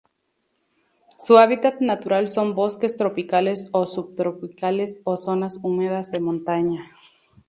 Su hábitat natural son bosques tropicales o subtropicales o zonas húmedas de montaña.